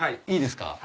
いいですか？